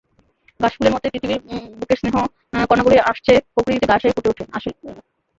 ঘাসফুলের মতে, পৃথিবীর বুকের স্নেহ-কণাগুলোই আসলে প্রকৃতিতে ঘাস হয়ে ফুটে ওঠে।